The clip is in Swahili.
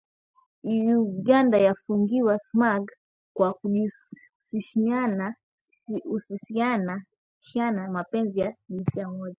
Uganda yaifungia smug kwa kujihusishanna mapenzi ya jinsia moja